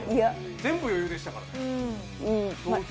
全部、余裕でしたから。